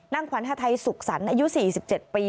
ขวัญฮาไทยสุขสรรค์อายุ๔๗ปี